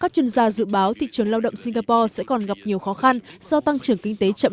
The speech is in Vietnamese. các chuyên gia dự báo thị trường lao động singapore sẽ còn gặp nhiều khó khăn do tăng trưởng kinh tế chậm